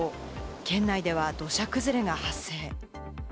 県内では土砂崩れが発生。